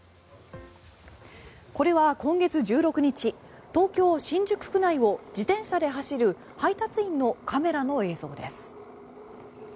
これは今月１６日東京・新宿区内を自転車で走る配達員のカメラの映像です。